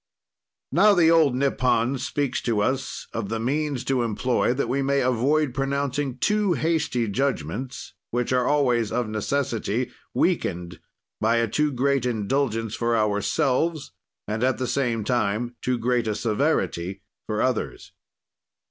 Now the old Nippon speaks to us of the means to employ, that we may avoid pronouncing too hasty judgments, which are always, of necessity, weakened by a too great indulgence for ourselves and at the same time too great a severity for others.